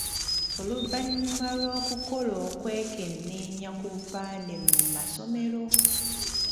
Oluvannyuma lw’okukola okwekennenya ku bupande mu masomero.